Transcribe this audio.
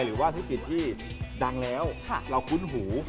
หรือว่าธุรกิจที่ดังแล้วเราคุ้นหู